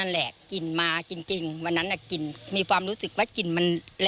ได้กลิ่นกันทั้งหมดเหรอค่ะ